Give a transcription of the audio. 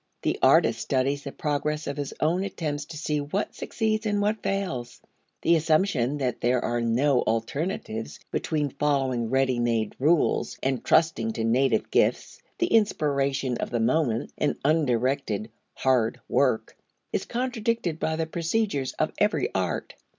The artist studies the progress of his own attempts to see what succeeds and what fails. The assumption that there are no alternatives between following ready made rules and trusting to native gifts, the inspiration of the moment and undirected "hard work," is contradicted by the procedures of every art.